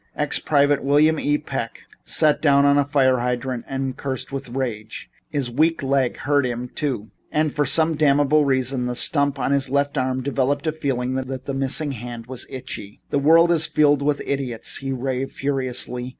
Ex private William E. Peck sat down on a fire hydrant and cursed with rage. His weak leg hurt him, too, and for some damnable reason, the stump of his left arm developed the feeling that his missing hand was itchy. "The world is filled with idiots," he raved furiously.